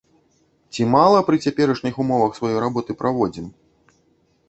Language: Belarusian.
Ці мала пры цяперашніх умовах сваёй работы праводзім?